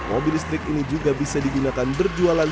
mobil listrik ini juga bisa digunakan berjualan